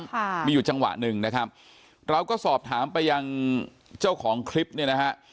ค่ะมีอยู่จังหวะหนึ่งนะครับเราก็สอบถามไปยังเจ้าของคลิปเนี่ยนะฮะ